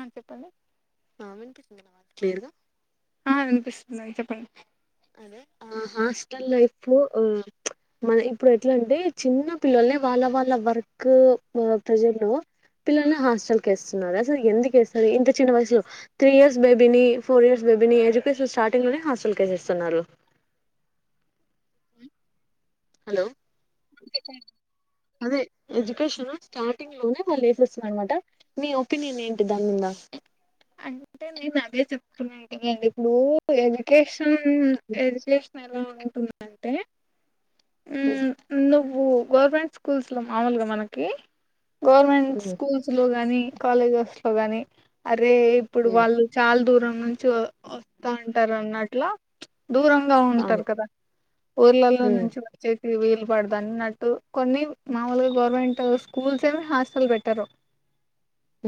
హ చెప్పండి ఆ వినిపిస్తుందా నా మాటా క్లియర్ గా ఆ వినిపిస్తుంది అండి చెప్పండి అదే ఆ హాస్టల్ లైఫ్ ఆ మన ఇప్పుడు ఎట్ల అంటే చిన్న పిల్లల్ని వాళ్ళ వాళ్ళ వర్క్ ప్రెజర్ లో పిల్లల్ని హాస్టల్ కి ఏస్తున్నారు అసలు ఎందుకేస్తారు ఇంత చిన్న వయసులో త్రీ ఇయర్స్ బేబీని ఫోర్ ఇయర్స్ బే బేబీ నీ ఎడ్యుకేషన్ స్టార్టింగ్ లోనే హాస్టల్ కి వేసేస్తున్నారు హలో అంతే [unintelligible] అదే ఎడ్యుకేషన్ స్టార్టింగ్ లోనే వాళ్ళు వేసస్తున్నారు అన్నమాట మీ ఒపీనియన్ ఏంటి దాని మీద అంటే నేను అదే చెప్తున్నాను కదా ఇప్పుడు ఎడ్యుకేషన్ ఊ ఎడ్యుకేషన్ ఎలా ఉంటుందంటే ఊ నువ్వు గవర్నమెంట్ స్కూల్స్ ల మామూలుగా మనకి గవర్నమెంట్ ఉమ్, స్కూల్స్ లో గాని కాలేజెస్ లో గాని అ అరే ఇప్పుడు ఉమ్, వాళ్ళు చాలా దూరం నుంచి వస్తా ఉంటారు అన్నట్లా ప్చ్ దూరంగా అవును ఉంటారు కదా ఊర్లలో ఉమ్, నుంచి వచ్చేసి వీళ్ పడదన్నట్టు కొన్ని మామూలుగా గవర్నమెంట్ స్కూల్స్ ఏమి హాస్టల్ పెట్టరు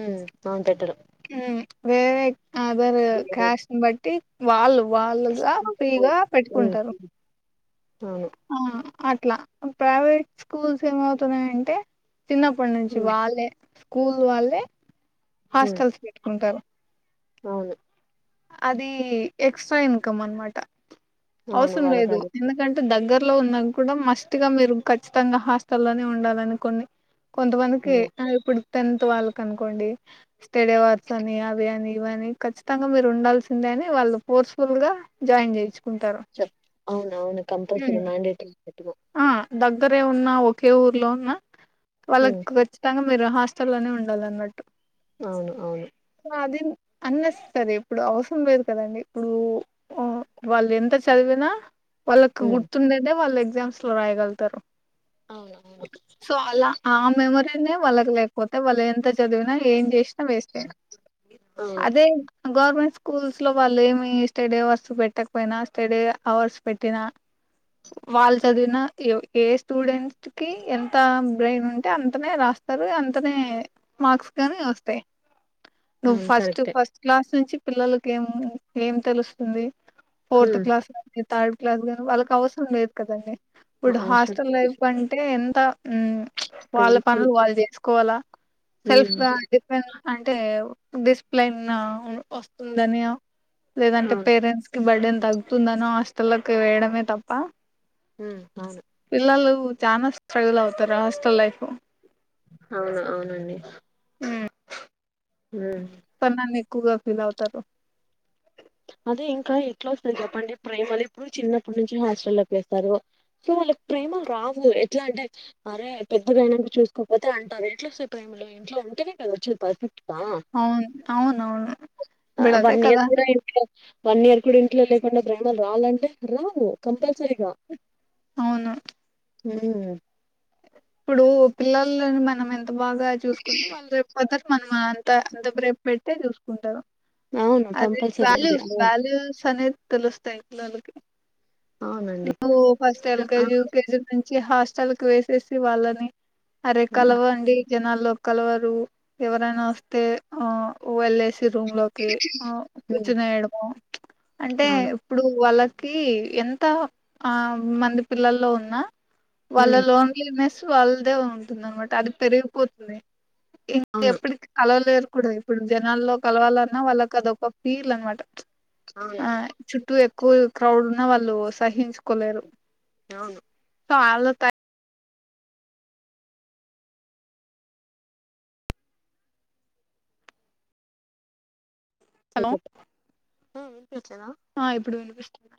ఊ అవును పెటరు ఊ వేరే అదర్ క్యాష్ట్ ని బట్టి వాళ్ళు వాళ్ళుగా ఫ్రీ గా ఉమ్, పెట్టుకుంటారు అవును ఆ! అట్లా ప్రైవేట్ స్కూల్స్ ఏమవుతున్నాయంటే చిన్నప్పటి నుంచి ఉమ్, వాళ్ళే స్కూల్ వాళ్ళే ఉమ్, హాస్టల్స్ పెట్టుకుంటారు అవును అది ఎక్స్ట్రా ఇన్కమ్ అనమాట అవును అవసరం వాళ్ళకి లేదు అది ఎందుకంటే అంటే దగ్గరలో ఉన్నా కూడా మస్ట్గా మీరు ఖచ్చితంగా హాస్టల్లోనే ఉండాలని కొన్ని కొంతమందికి ఉమ్, ఆ ఇప్పుడు టెన్త్ వాళ్ళకి అనుకోండి తెడేవార్స్ అని అవి అని ఇవ అని ఖచ్చితంగా మీరు ఉండాల్సిందే అని వాళ్ళు ఫోర్స్ఫుల్ గా జాయిన్ చేయచ్చు చె అవును అవును కంపల్సరి ఉమ్. మండేటరీ పెట్టుకో ఆ దగ్గరే ఉన్న ఒకే ఊర్లో ఉన్న వాళ్ళకి ఉమ్ ఖచ్చితంగా మీరు హాస్టల్లోనే ఉండాలి అన్నమాట్టు అవును అవును అది అన్నేసెస్సరీ ఇప్పుడు అవసరం లేదు కదండి ఇప్పుడు వాళ్ళు ఎంత చదివ నా వాళ్ళకి ఉమ్ గుర్తుండేదే వాళ్ళు ఎగ్జామ్స్ లో రాయగలుతారు అవును అవును సో అలా ఆ మెమరీ నే వాళ్ళకి లేకపోతే వాళ్ళు ఎంత చదివినా ఏం చేస్ వేేస్టే అవును అదే గవర్మెంట్ స్కూల్స్ లో వాళ్ళు ఏమి స్టడీ అవర్స్ పెట్టకపోయినా స్టడీ అవర్స్ పెట్టినా వాల్ చదివిన ఏ స్టూడెంట్ కి ఎంత బ్రెయిన్ ఉంటే అంతనే రాస్తారు అంతనే ఏ మార్క్స్ కానీ వస్తయ్ నువ్వు అవును ఫస్ట్ కరెక్టే ఫస్ట్ క్లాస్ నుంచి పిల్లలకి ఏం ఏం తెలుస్తుంది ఫోర్త్ ఉమ్ క్లాస్ కానీ థర్డ్ క్లాస్ గానీ వాళ్ళకి అవసరం లేదు కదండి అ- ఇప్పుడు అవసరం హాస్టల్ లైఫ్ అంటే ఎంత ప్చ్ వాళ్ళ పెయిన్ఫుల్ పనులు వాళ్ళు చేసు కోలా సెల్ఫ్ గా ఉమ్ డిఫెన్స్ అంటే డిసిప్లన్ ఆ వస్తుందని లేదంటే అవును పేరెంట్స్ కి బర్డేన్ తగ్గుతుందనో హాస్టల్లకు వేయడమే తప్ప ఊ అవును పిల్లలు చానా స్ట్రగల్ అవుతార హాస్టెల్ లైఫు అవును అవునండి ఊ ఉమ్ పన్నాన్ని ఎక్కువగా ఫీల్ అవుతారు అదే ఇంకా ఎట్లా వస్తది చెప్పండి. ప్రేమలు ఇప్పుడు, చిన్నప్పటి నుంచి హాస్టల్లోకి వేస్తారు. సో వాళ్ళకి ప్రేమ రావు, ఎట్లా అంటే, అరే పెద్దగాయనాక చూసుకోపోతే అంటారు. ఎట్లా వస్తే ప్రేమ. ఇంట్లో ఉంటేనే, గద వచ్చేది. పరిస్థితి. అవును, అవును, అవును, ఇప్పుడు అదె వన్ ఇయర్ కదా. కూడా ఇంట్లో వన్ ఇయర్ కూడా, ఇంట్లో లేకుండా, ప్రేమలు రావాలంటే, రావు కంపల్సరిగా. అవును. ఉమ్ ఇప్పుడు పిల్లలని, మనం ఎంత బాగా చూసుకుంటే, వాళ్ళు రేపు అదర్. మనం అంతా అంత, ప్రేమ పెడితే చూసుకుంటారు. అవును అదే, కంపల్సరీ అది వాల్యుయ్స్ స్, అవును వాల్యుయ్స్ స్ అనేది. తెలుస్తస్తాయి. నా అలుడికి, అవునండి నువ్వు ఫస్ట్ ఎల్ ఆ కేజీ యూకేజీ. చ్చి హాస్టల్ కి వేసేసి, వాళ్ళని అరే ఉమ్ కలవండి. జనాల్లో కలవరు, ఎవరైనా వస్తే ఆ ఉ వెళ్ళేసి. రూమ్ లోకి, అ ఉమ్, కూర్చునియడము అంటే, అవును ఇప్పుడు వాళ్ళ. కి ఎంత ఆ మంది పిల్లల్లో ఉన్నా, వాళ్ళ ఉమ్ లోన్. నేస్ వాళ్ళదే ఉంటుందనమాట, అది పెరిగిపోతుంది. ఇంక అవును ఎప్పటికి కలవలేరు. కూడా ఇప్పుడు జనాల్లో కలవాలన్నా, వాళ్ళకి అదొ ఒక ఫీల్ అనమాట. చ్ అవును! కూల్ క్రౌడ్ ఉన్నా, వాళ్ళు సహించుకోలేరు. అవును. ఆలో త ఎ లో చెప్పు అ వినిపియట్లేదా. ఆ ఇప్పుడు వినిపిస్తుంది.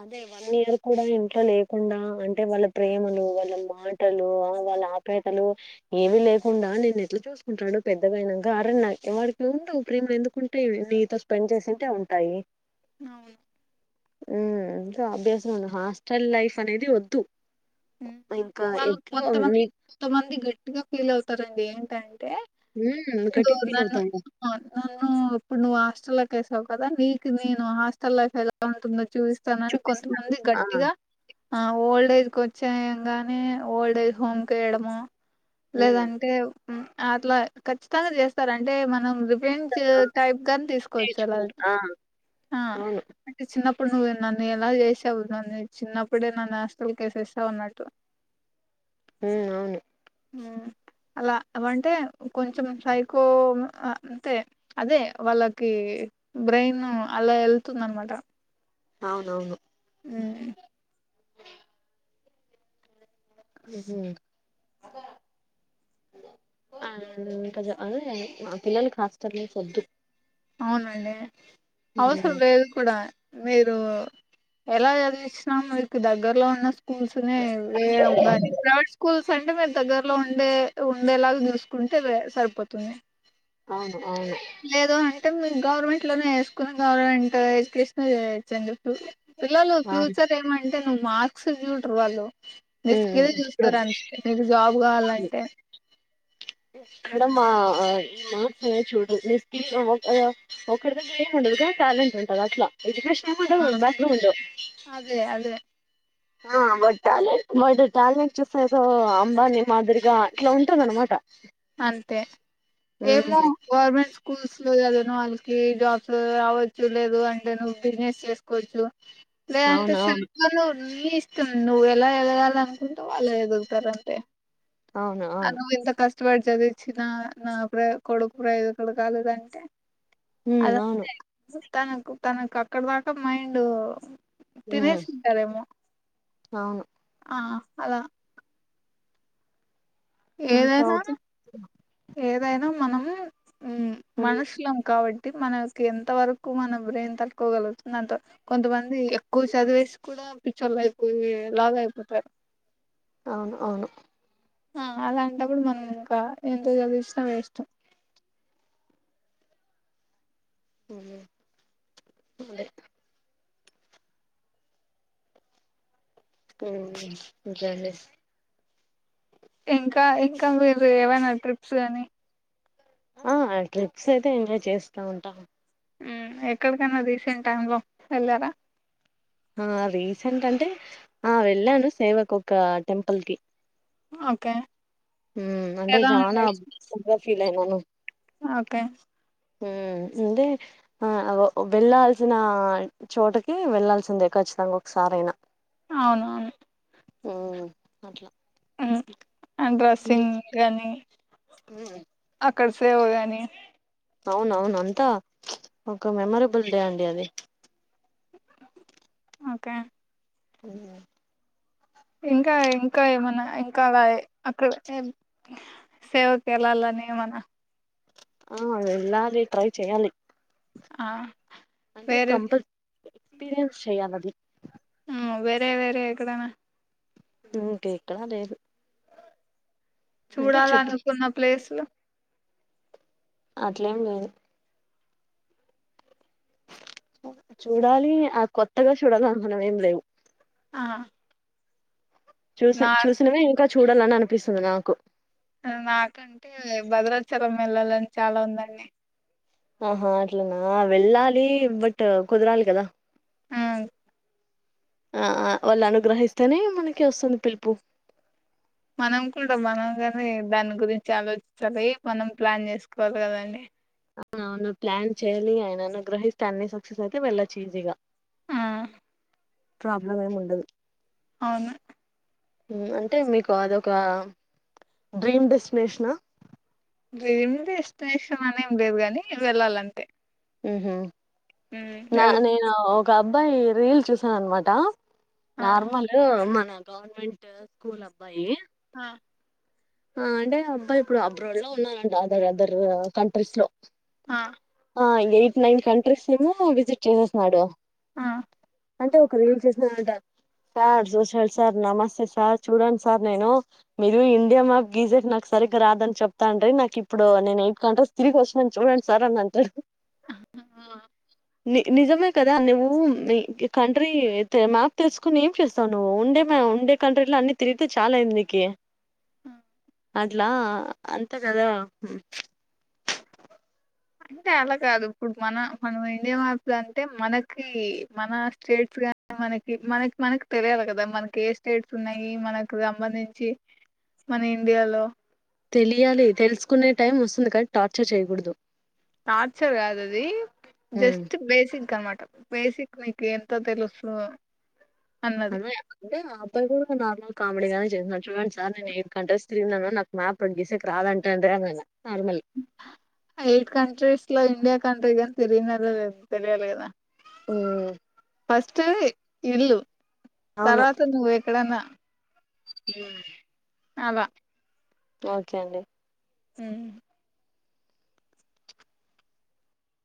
అదే, వన్ ఇయర్ కూడా, ఇంట్లో లేకుండా, అంటే వాళ్ళ ప్రేమలు వాళ్ళ మాటలు. వాళ్ళ ఆపేతలు, ఏవి లేకుండా నేను ఎట్లా చూసుకుంటాడు. పెద్దగేనాక అర్ నా వాడికి. ప్రేమలు ఎందుకుంటాయి. నీతో స్పెండ్ చేసింటే ఉంటాయి. అవును! ఉమ్ ఎంత అభ్యాసం, హాస్టల్ లైఫ్ అనేది వద్దు. హ్మ్. ఇంకా ఎట్లు మీ ఇంగా ఫీల్ అవుతారండి. ఏంటంటే ఉమ్ గట్టిగా ఇప్పుడు ఫీల్ నన్ను. అవుతాంగా నే ఇప్పుడు, నువ్వు హాస్టల్ లకి వేసావు, గదా నీకు నేను హాస్టల్ లైఫ్ ఎలా ఉంటుందో. చూస్తానని, చూపిస్తాడు కొంతమంది ఆ గట్టిగా, ఆ ఓల్డ్ఎజ్ కి వ చేయంగానే, ఓల్డేజ్ హోమ్కి వేయడము. ఉమ్ లేదంటే అట్లా ఖచ్చితంగా చేస్తారు. అంటే మనం ఫెంచ్ ఆ టైప్ గాని తీసుకోవచ్చులా, నేర్చుకో ఆ అ అవును అంటే చిన్న ఇప్పుడు, నువ్వు నన్ను ఎలా చేసేవ, నన్ను చిన్నప్పుడే నన్ను హాస్టల్ కేసే. టవున్నట్టు. ఉ అవును. మ్ అలా, అంటే కొంచెం సైకో, అంటే అదే వాళ్ళకి. బ్రెయిన్, అలా వెళ్తుందనమాట. అవునవును. ఉమ్ ఉహు అ ఇంకా, అ పిల్లలు హాస్టలైఫ్ వద్దు. అవునండి. ఉమ్ అవసరంలేదు కూడా. మీరు ఎలా చదివిచ్చిన, మీకు దగ్గరలో ఉన్న. స్కూల్స్నే వేయడం, గానీ ప్రైవేట్ స్కూల్స్. అంటే మీరు దగ్గరలో ఉండే ఉండేలాగా, చూసుకుంటే సరిపోతుంది. అవును, అవును. లేదు అంటే గవర్నమెంట్ లోనే వేసుకుని గవర్నమెంట్ ఎడ్యుకేషన్ పిల్లలు అవును ఫ్యూచర్ ఏమంటే నువ్వు మార్క్స్ చూడరు వాళ్ళు నీ ఉమ్ స్కిల్ చూస్తారు చూడరు అంతే నీకు జాబ్ కావాలంటే అక్కడ మా చూడు ఒక ఉ [unintelligible] అ టాలెంట్ ఉంటంది అట్లా ఎడ్యుకేషన్ ఆ ఉ అట్లు ఉండ [unintelligible] అదే అదే ఆ వాడి టాలెంట్ బట్ టాలెంట్ చూసే ఏదో అంబానీ మాదిరిగా ఇట్లా ఉంటందనమాట అంతే ఏమో గవర్నమెంట్ స్కూల్స్ లో చదివినవాళ్ళకి జాబ్స్ రావచ్చు లేదు అంటే నువ్వు బిజినెస్ చేసుకోవచ్చు లేదే అంత అవునవును స్వల్పను [unintelligible] నువ్వు ఎలా ఎదగాల అనుకుంటే వాళ్ళ ఎదుగుతారంతే అవునా వాడు చదివిచ్చిన నా ప్ర కొడుకు ప్రయజకుడు కాలేదంటే ఉం అవును అదంతే తనకు తనకు అక్కడ దాకా మైండ్ ఉమ్ తినేసీంటారేమో అవును ఆ అదా అట్లా ఏదైనా అవుతుంది ఏదైనా మనం ఉం ఉమ్, మనషులం కాబట్టి మనకి ఎంత వరకు మన బ్రెయిన్ తట్టుకోగలుగుతుంది అంత కొంతమంది ఎక్కువ చదివేసి కూడా పిచ్చోలు అయిపోయి లాగా అయిపోతారు అవును అవును ఆ అలాంటప్పుడు మనం ఇంకా ఎంత చదివిచ్చీనా వేస్ట్ అవునా అదే ఉం ఇంకెంది ఇంకా ఇంకా మీరు ఏమైనా ట్రిప్స్ గాని ఆ ట్రిప్స్ అయితే ఎంజాయ్ చేస్తా ఉంటా ఉం ఎక్కడికైన్నా రీసెంట్ టైమ్ లో వెళ్లారా ఆ రీసెంట్ అంటే ఆ వెళ్ళాను సేవకు ఒక టెంపుల్ కి ఓకే ఉం అంటే ఎలా చానా ఉండేది అగా [unintelligible] ఫీల్ అయినను ఓకే ఉం అంటే ఆ వెళ్లాల్సిన చోటకి వెళ్లల్సిన ఉందే ఖచ్చితంగా ఒక్క సారి అయినా అవునవును అట్లా ఉం అండ్ డ్రసింగ్ గాని అక్కడ సేవ గాని అవునవును అంతా ఒక మెమరబుల్ డే అండి అది ఓకే అ [unintelligible] ఇంకా ఇంకా ఏమన్నా ఇంకా అలా అక్కడ సేవకెళ్ళలి అని ఏమన ఆ వెళ్ళాలి ట్రై చేయాలి ఆ అంటే వేరే కంపల్ ఎక్స్పీరియన్స్ చెయాలి అది ఉం వేరే వేరే ఎక్కడనా ఉకే ఇక్కడ లేదు అంటే చుట్టూ చూడాలనుకున్న ప్లేస్ లు అట్లేం లేదు చూడాలి ఆ కొత్తగా చూడాలి అనుకున్నవి ఏం లేవు ఆ చూసిన నా చూసినవే ఇంకా చూడాలని అని అనిపిస్తుంది నాకు నాకంటే భద్రాచలం వెల్లాలని చాలా ఉందండి. ఆహా అట్లనా, వెళ్ళాలి బట్ కుదరాలి కదా. ఆ ఆ వాళ్ళు అనుగ్రహిస్తేనే, మనకి వస్తుంది పిలుపు. మనం కూడా మనం గానే దాని గురించి ఆలోచించాలి, మనం ప్లాన్ చేసుకోవాలి కదండి. అవునవును ప్లాన్ చేయాలి, ఆయన అనుగ్రహిస్తే అన్ని సక్సెస్ అయితే వెళ్ళొచ్చు ఈజీగా. ఆ ప్రాబ్లం ఏమి ఉండదు. అవును అంటే మీకు అదొక డ్రీమ్ డెస్టినేషనా? డ్రీమ్ డెస్టినేషన్ అనేం లేదు గానీ, వెళ్ళాలంతే. ఉహు మ్ నా వెల్ నేను ఒక అబ్బాయి రీల్ చూసాను అన్మాట ఆ నార్మల్ మన గవర్నమెంట్ కూల్ అబ్బాయి ఆ ఆ అంటే అబ్బాయి ఇప్పుడు అబ్రాడ్ లో ఉన్నాడంట, అదర్ అదర్ కంట్రీస్ లో. ఆ ఆ ఎయిట్ నైన్ కంట్రీస్ ఏమో విజిట్ చేసేస్నాడు. ఆ అంటే ఒక రీల్ చేసినా అంట సార్ సోషల్ సార్ నమస్తే సార్ చూడండి సార్ నేను మీరు ఇండియా మ గీజెట్ నాకు సరిగ్గా రాదని చెప్తాండ్రీ, నాకు ఇప్పుడు నేను ఎయిట్ కంట్రీస్ తిరిగి వచ్చినాన్, చూడండి సార్ అని అంటడు. ఆ ని నిజమే కదా అ నివు ఉ నీ కంట్రీ మ్యాప్ తెలుసుకుని ఏం చేస్తావు నువ్వు? ఉండే మీ ఉండే కంట్రీలో అన్ని తిరిగితే చాల్ అయింది నీకి ఆ. అట్లా అంతే కదా హు అంటే అలా కాదు, ఇప్పుడు మన మనం ఇండియా మ్యాప్స్ అంటే మనకి మన స్టేట్స్ మనకి మనకి మనకి తెలియాలి కదా, మనకి ఏ స్టేట్స్ ఉన్నాయి మనకు సంబంధించి మన ఇండియాలో తెలియాలి, తెలుసుకునే టైం వస్తుంది కానీ టార్చర్ చేయకూడదు. టార్చర్ కాదు అది ఉమ్ జస్ట్ బేసిక్ క అన్మాట బేసిక్ నీకు ఎంత తెలుసు అన్నది అదే అంటే అప్పుడు కూడా నార్మల్ కామెడీ గానే చేసినడు, చూడండి సార్ నేను కంట్రీస్ తిరిగినాను, నాక్ మ్యాప్ అప్పుడు గీసెక్ రాద్ అంటాండ్రి. ఎయిట్ కంట్రీస్ లో ఇండియా కంట్రీగాని తిరిగనరో లేదో తెలియాలి కదా. ఉమ్ ఫస్ట్ ఇల్లు, తర్వాత నువ్ ఎక్కడన్న. ఉ అల ఓకే అండి ఉ